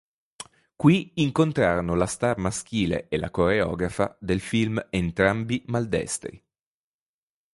Qui incontrano la star maschile e la coreografa del film, entrambi maldestri.